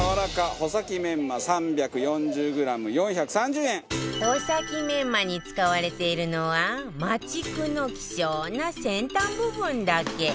穂先メンマに使われているのはマチクの希少な先端部分だけ